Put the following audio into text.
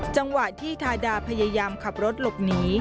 จังหวะที่ทาดาพยายามขับรถหลบหนี